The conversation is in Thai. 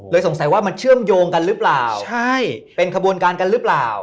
สงสัยว่ามันเชื่อมโยงกันหรือเปล่าใช่เป็นขบวนการกันหรือเปล่า